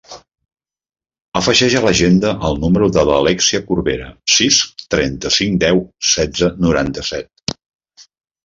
Afegeix a l'agenda el número de l'Alèxia Corbera: sis, trenta-cinc, deu, setze, noranta-set.